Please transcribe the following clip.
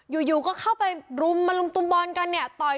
อยู่ก็เข้าไปรุมมาลุมตุมบอลกันเนี่ยต่อย